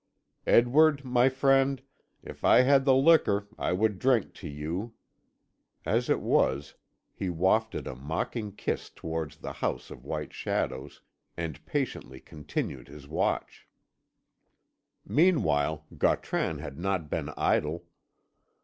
Edward, my friend, if I had the liquor I would drink to you. As it is " As it was, he wafted a mocking kiss towards the House of White Shadows, and patiently continued his watch. Meanwhile Gautran had not been idle.